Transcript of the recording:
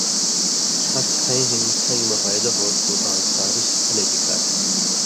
اس کَھیں ہِن کھن٘گیۡ مہ فائدہ ہوتُھو آں کھارُسیۡ ہلے نکا تھی۔